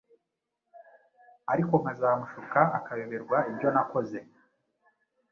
ariko nkazamushuka akayoberwa ibyo nakoze